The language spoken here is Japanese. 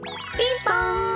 ピンポン！